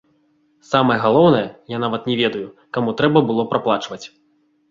Самае галоўнае, я нават не ведаю, каму трэба было праплачваць.